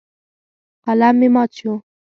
قلم مې مات شو.